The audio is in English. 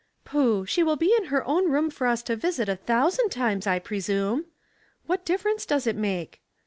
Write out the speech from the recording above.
" Pooh ! she will be in her own room for us to visit a thousand times, I presume. What difference does it make